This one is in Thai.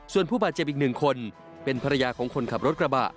ส่วนผู้บาดเจ็บอีกหนึ่งคนเป็นภรรยาของคนขับรถกระบะ